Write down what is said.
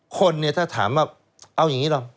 คนเนี่ยถ้าถามว่าเอาอย่างนี้หรอ